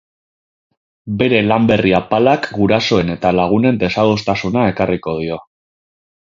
Bere lan berri apalak gurasoen eta lagunen desadostasuna ekarriko dio.